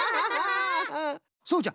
そうじゃ。